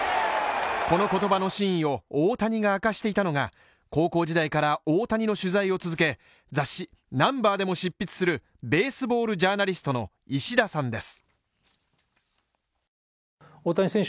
この言葉の真意を大谷が明かしていたのが高校時代から大谷の取材を続け雑誌「Ｎｕｍｂｅｒ」でも執筆するベースボールジャーナリストの石田さんです。